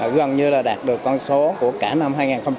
gần như là đạt được con số của cả năm hai nghìn một mươi chín